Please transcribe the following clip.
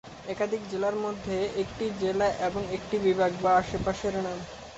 একাধিক জেলার মধ্যে একটি জেলা এবং একটি বিভাগ, বা আশেপাশের নাম।